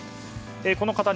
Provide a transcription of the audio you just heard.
この方